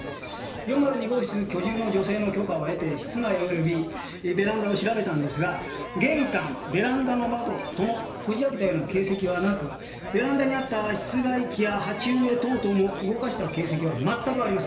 ４０２号室居住の女性の許可を得て室内及びベランダを調べたんですが玄関ベランダの窓ともこじ開けたような形跡はなくベランダにあった室外機や鉢植え等々も動かした形跡は全くありません。